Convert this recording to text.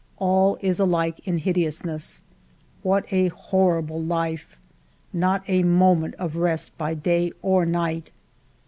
All is alike in hideousness ! What a horrible life ! Not a mo ment of rest by day or night.